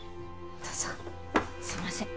どうぞすいません